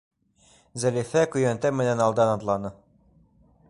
Зәлифә көйәнтә менән алдан атланы.